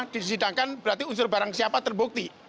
disidangkan berarti unsur barang siapa terbukti